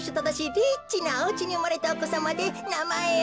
リッチなおうちにうまれたおこさまでなまえを。